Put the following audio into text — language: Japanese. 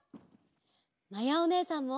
まやおねえさんも！